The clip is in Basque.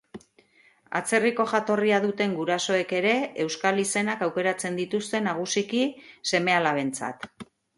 Atzerriko jatorria duten gurasoek ere euskal izenak aukeratzen dituzte nagusiki seme-alabentzat.